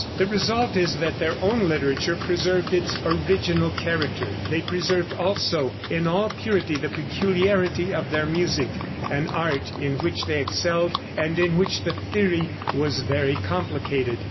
The result is that their own literature preserved its original character; they preserved also in all purity the peculiarity of their music an art in which they excelled and in which the theory was very complicated.